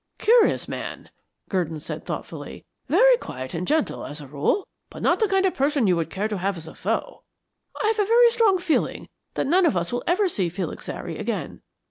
"Curious man," Gurdon said, thoughtfully. "Very quiet and gentle as a rule, but not the kind of person you would care to have as a foe. I have a very strong feeling that none of us will ever see Felix Zary again.